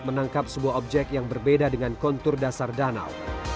menangkap sebuah objek yang berbeda dengan kontur dasar danau